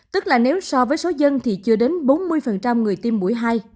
tức là nếu so với số dân thì chưa đến bốn mươi người tiêm mũi hai